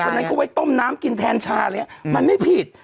คนนั้นก็ไว้ต้มน้ำกินแทนชามันไม่ผิด